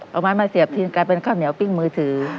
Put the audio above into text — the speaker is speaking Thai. เอาไม้มาเสียบทีนกลายเป็นข้าวเหนียวปิ้งมือถือ